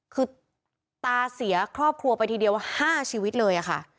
คือตาเสียครอบครัวไปทีเดียว๕ชีวิตเลยค่ะ